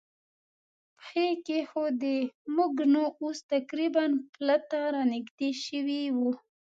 پښې کېښوودې، موږ نو اوس تقریباً پله ته را نږدې شوي و.